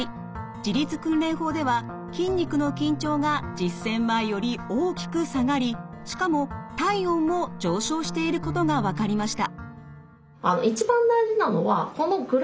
自律訓練法では筋肉の緊張が実践前より大きく下がりしかも体温も上昇していることが分かりました。